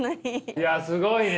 いやすごいね。